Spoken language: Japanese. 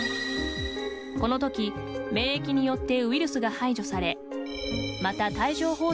このとき免疫によってウイルスが排除されまた、帯状ほう